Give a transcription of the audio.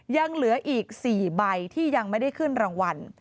ยังเหลืออีก๔ใบที่ยังไม่ได้ขึ้นรางวัล